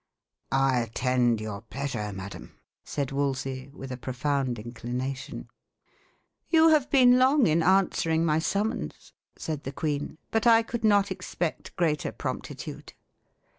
"I attend your pleasure, madam," said Wolsey, with a profound inclination. "You have been long in answering my summons," said the queen; "but I could not expect greater promptitude.